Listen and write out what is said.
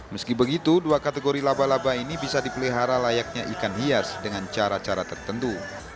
meski begitu dua kategori laba laba ini bisa dipelihara layaknya ikan hias dengan cara cara tertentu